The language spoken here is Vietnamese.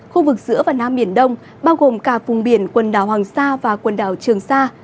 khu vực giữa và nam biển đông bao gồm cả vùng biển quần đảo hoàng sa và quần đảo trường sa